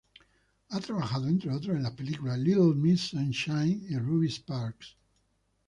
Ha trabajado, entre otras, en las películas "Little Miss Sunshine" y "Ruby Sparks".